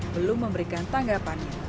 belum memberikan tanggapannya